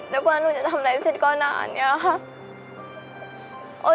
แล้วพอหนูจะทำอะไรเสร็จก็นานเนี่ย